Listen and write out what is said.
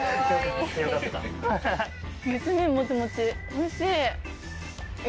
おいしい。